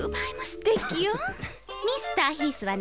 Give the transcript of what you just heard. ミスターヒースはね